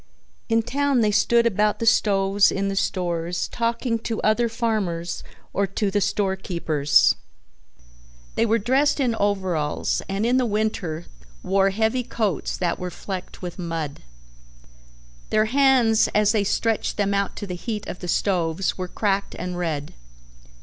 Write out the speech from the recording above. In town they stood about the stoves in the stores talking to other farmers or to the store keepers. They were dressed in overalls and in the winter wore heavy coats that were flecked with mud. Their hands as they stretched them out to the heat of the stoves were cracked and red.